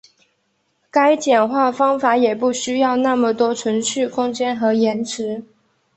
该简化方法也不需要那么多存储空间和延迟。